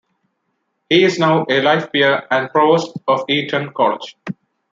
He is now a life peer and Provost of Eton College.